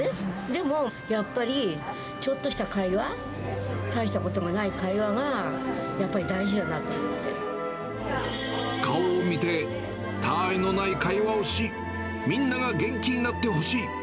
でも、やっぱりちょっとした会話、大したことのない会話が、顔を見て、他愛のない会話をし、みんなが元気になってほしい。